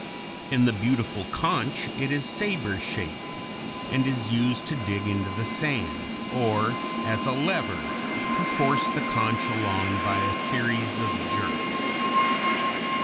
In the beautiful conch it is saber shaped, and is used to dig into the sand, or, as a lever, to force the conch along by a series of jerks.